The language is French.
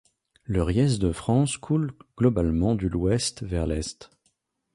Le Riez de France coule globalement du l'ouest vers l'est.